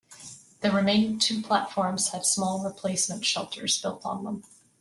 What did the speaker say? The remaining two platforms had small replacement shelters built on them.